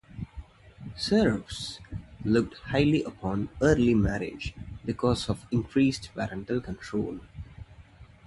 Serfs looked highly upon early marriage because of increased parental control.